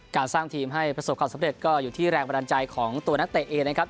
การสร้างทีมให้ประสบความสำเร็จก็อยู่ที่แรงบันดาลใจของตัวนักเตะเองนะครับ